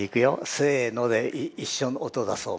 「せの」で一緒の音出そう。